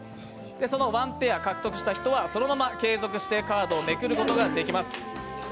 そのワンペアを獲得した人はそのまま継続してカードをめくることができます。